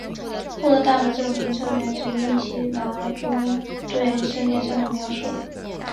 户勒大门这个名称源自于密西拿中对圣殿山的描述。